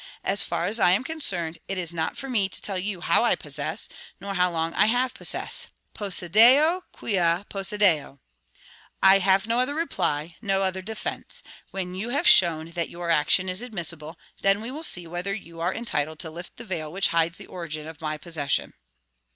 As far as I am concerned, it is not for me to tell you how I possess, nor how long I have possessed. Possideo quia possideo. I have no other reply, no other defence. When you have shown that your action is admissible, then we will see whether you are entitled to lift the veil which hides the origin of my possession.'"